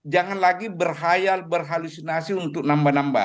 jangan lagi berhayal berhalusinasi untuk nambah nambah